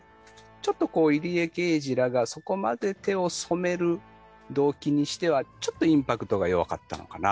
ちょっと入江刑事らがそこまで手を染める動機にしてはちょっとインパクトが弱かったのかな。